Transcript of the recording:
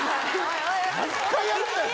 何回やるんだよ